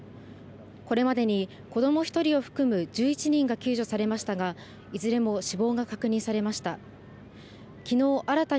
これまでに子ども１人を含む１１人が救助されましたが、いずれも死亡が確認されました。